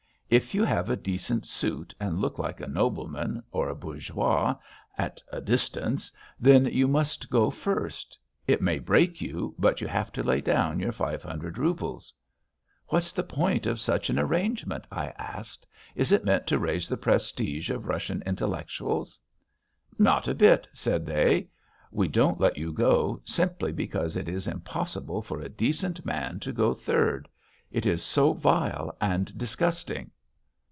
If you have a decent suit, and look like a nobleman or a bourgeois, at a distance, then you must go first. It may break you, but you have to lay down your five hundred roubles. 'What's the point of such an arrangement?' I asked. 'Is it meant to raise the prestige of Russian intellectuals?' 'Not a bit,' said they. 'We don't let you go, simply because it is impossible for a decent man to go third. It is so vile and disgusting.'